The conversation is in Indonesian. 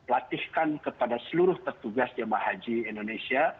latihkan kepada seluruh petugas jamaah haji indonesia